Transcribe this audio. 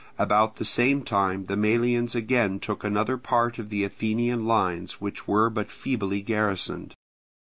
About the same time the Melians again took another part of the Athenian lines which were but feebly garrisoned.